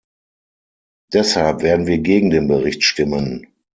Deshalb werden wir gegen den Bericht stimmen.